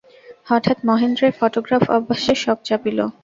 হঠাৎ মহেন্দ্রের ফোটোগ্রাফ-অভ্যাসের শখ চাপিল।